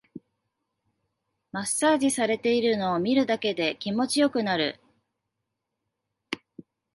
マッサージされてるのを見るだけで気持ちよくなる